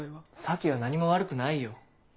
佐木は何も悪くないよ。